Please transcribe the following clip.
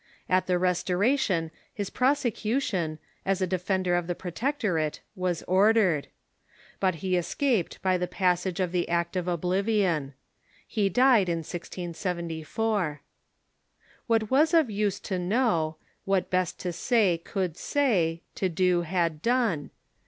At the Restoration his prosecu tion, as a defender of the Protectorate, was ordered. But he 304 THE MOBEKN CIIUKCH escaped by the passage of the Act of Oblivion. He died in 1674. '' What was of use to know, What best to say could say, to do liad done.